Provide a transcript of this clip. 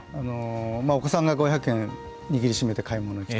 お子さんが５００円を握りしめて買い物に来て。